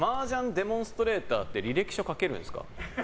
デモンストレーターって履歴書、書けるんですか。